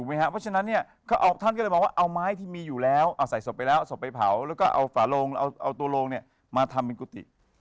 ว่าชนั้นเนี่ยเขาเอาท่านมีใส่สบไปแล้วไปเผาแล้วก็เอาฝาโลงเอาตัวโลงเนี่ยมาทำเป็นกุฏิ